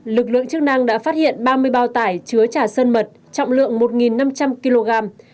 lực lượng chức năng đã phát hiện ba mươi bao tải chứa trà sơn mật trọng lượng một năm trăm linh kg